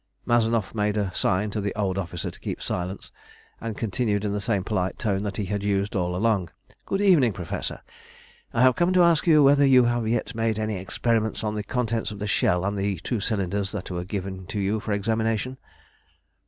Mazanoff made a sign to the old officer to keep silence, and continued in the same polite tone that he had used all along "Good evening, Professor! I have come to ask you whether you have yet made any experiments on the contents of the shell and the two cylinders that were given to you for examination?"